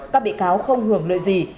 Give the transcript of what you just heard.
các bị cáo không hưởng lợi gì